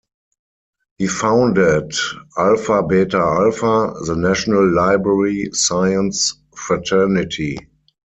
He founded Alpha Beta Alpha, the national library science fraternity.